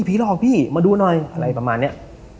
พี่หลอกพี่มาดูหน่อยอะไรประมาณนี้